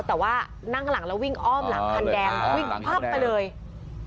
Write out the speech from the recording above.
แต่ว่านั่งหลังแล้ววิ่งอ้อมหลังคันแดงวิ่งพับไปเลย